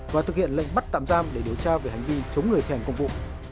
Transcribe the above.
và thực hiện lệnh bắt tạm giam để điều tra về hành vi chống người thi hành công vụ